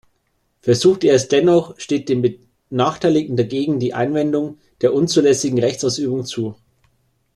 Versucht er es dennoch, steht dem Benachteiligten dagegen die Einwendung der unzulässigen Rechtsausübung zu.